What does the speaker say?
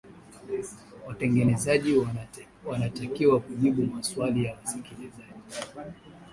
watengenezaji wanatakiwa kujibu maswali ya wasikilizaji